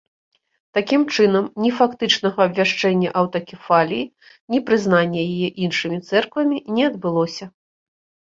Такім чынам, ні фактычнага абвяшчэння аўтакефаліі, ні прызнання яе іншымі цэрквамі не адбылося.